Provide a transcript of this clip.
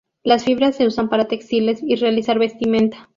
Las fibras se usan para textiles y realizar vestimenta.